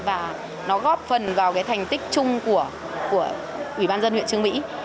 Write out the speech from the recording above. và nó góp phần vào cái thành tích chung của ủy ban dân huyện trương mỹ